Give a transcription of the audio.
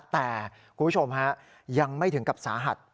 แต่คุณผู้ชมฮะยังไม่ถึงกับสาหัส